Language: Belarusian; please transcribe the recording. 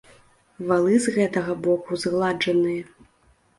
Валы з гэтага боку згладжаныя.